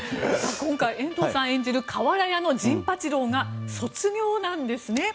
今回、遠藤さん演じる瓦屋の陣八郎が卒業なんですね。